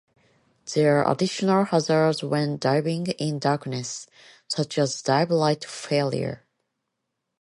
There are additional hazards when diving in darkness, such as dive light failure.